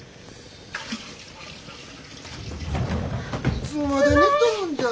いつまで寝とるんじゃ。